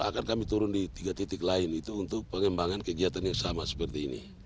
akan kami turun di tiga titik lain itu untuk pengembangan kegiatan yang sama seperti ini